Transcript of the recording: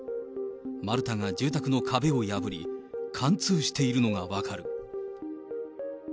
丸太が住宅の壁を破り、貫通しているのが分かる。